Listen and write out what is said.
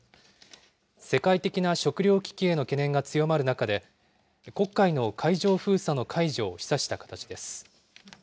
世界的な食糧危機への懸念が強まる中で、黒海の海上封鎖の解除を示唆した形です。